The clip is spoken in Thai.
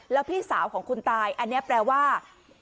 แล้วพี่สาวของคุณตายอันนี้แปลว่า